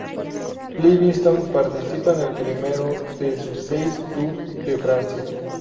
Livingston participa en el primero de sus seis Tour de Francia.